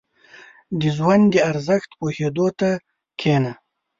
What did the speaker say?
• د ژوند د ارزښت پوهېدو ته کښېنه.